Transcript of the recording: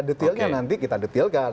detailnya nanti kita detailkan